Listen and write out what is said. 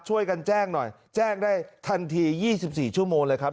ช่วยกันแจ้งหน่อยแจ้งได้ทันที๒๔ชั่วโมงเลยครับ